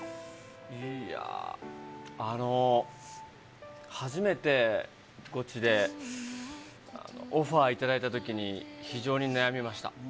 いやぁ、初めてゴチで、オファー頂いたときに、非常に悩みました。